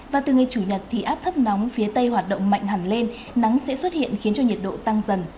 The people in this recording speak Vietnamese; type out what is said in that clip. và từ ngày chủ nhật thì áp thấp nóng phía tây hoạt động mạnh hẳn lên nắng sẽ xuất hiện khiến cho nhiệt độ tăng dần